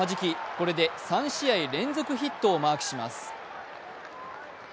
これで３試合連続ヒットをマークします。